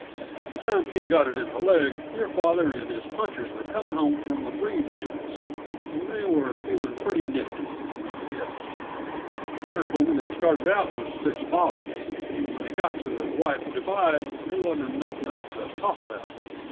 The time King got it in the leg your father and his punchers were coming home from a breed dance, and they were feeling pretty nifty, I guess; Potter told me they started out with six bottles, and when they got to White Divide there wasn't enough left to talk about.